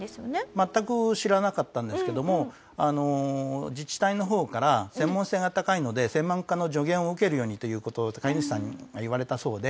全く知らなかったんですけども自治体の方から「専門性が高いので専門家の助言を受けるように」という事を飼い主さんが言われたそうで。